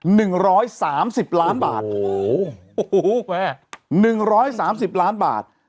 หนึ่งร้อยสามสิบล้านบาทโอ้โหโอ้โหแม่หนึ่งร้อยสามสิบล้านบาท